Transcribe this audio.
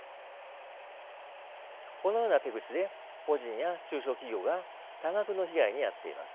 このような手口で個人や中小企業が多額の被害に遭っています。